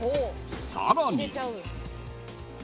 ［さらに